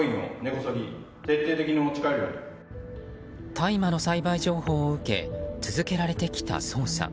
大麻の栽培情報を受け続けられてきた捜査。